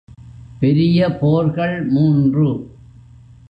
பெரிய போர்கள் மூன்று.